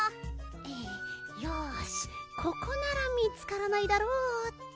よしここなら見つからないだろうっと。